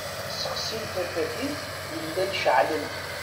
Sexsin tafatin yellan ceɛlent.